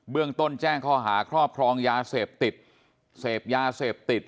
เรื่องต้นแจ้งข้อหาครอบครองยาเสพติดเสพยาเสพติด